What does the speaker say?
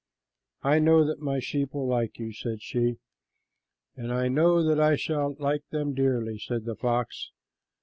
"I know that my sheep will like you," said she. "And I know that I shall like them dearly," said the fox.